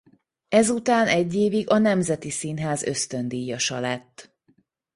Ezután egy évig a Nemzeti Színház ösztöndíjasa lett.